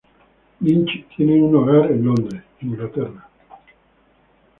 Lynch tiene un hogar en Londres, Inglaterra.